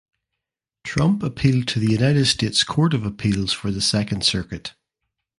Trump appealed to the United States Court of Appeals for the Second Circuit.